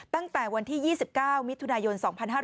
ตั้งแต่วันที่๒๙มิถุนายน๒๕๕๙